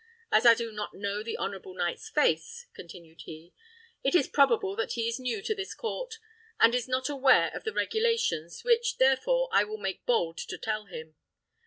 As I do not know the honourable knight's face," continued he, "it is probable that he is new to this court, and is not aware of the regulations, which, therefore, I will make bold to tell him.